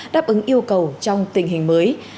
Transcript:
đáp ứng yêu cầu trong tình hình mới